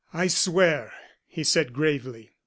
"I swear!" he said, gravely.